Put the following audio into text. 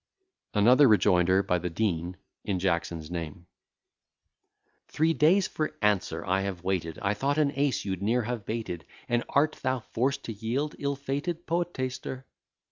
ANOTHER REJOINDER BY THE DEAN, IN JACKSON'S NAME Three days for answer I have waited, I thought an ace you'd ne'er have bated And art thou forced to yield, ill fated poetaster?